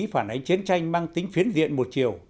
phản ánh chiến tranh mang tính phiến diện một chiều